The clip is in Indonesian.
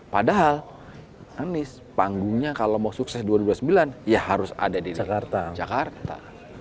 padahal anies panggungnya kalau mau sukses dua ribu dua puluh sembilan ya harus ada di jakarta